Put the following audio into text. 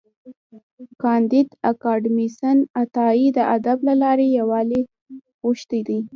کانديد اکاډميسن عطایي د ادب له لارې یووالی غوښتی دی.